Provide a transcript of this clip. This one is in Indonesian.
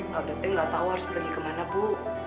saya tidak tahu harus pergi kemana bu